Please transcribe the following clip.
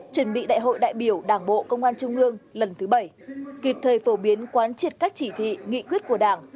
chuẩn bị đại hội đại biểu đảng bộ công an trung ương lần thứ bảy kịp thời phổ biến quán triệt các chỉ thị nghị quyết của đảng